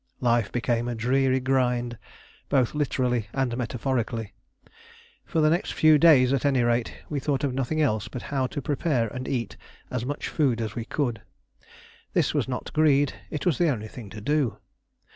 Life became a dreary grind, both literally and metaphorically. For the next few days, at any rate, we thought of nothing else but how to prepare and eat as much food as we could. This was not greed: it was the only thing to do.